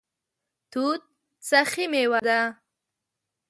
توت سخي میوه ده